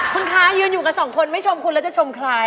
คุณคะยืนอยู่กับสองคนไม่ชมคุณแล้วจะชมใคร